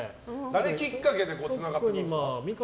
誰きっかけでつながっていますか？